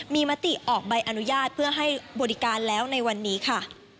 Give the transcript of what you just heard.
มีมติออกใบอนุญาตเพื่อให้บริการแล้วในวันนี้ค่ะ